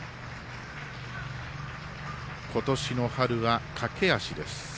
今年の春は、駆け足です。